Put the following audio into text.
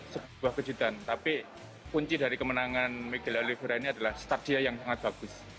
sebuah kejutan tapi kunci dari kemenangan miguel oliveira ini adalah stadia yang sangat bagus